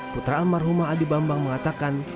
putra almarhumah adi bambang mengatakan